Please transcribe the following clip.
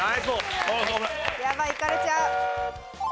やばいいかれちゃう。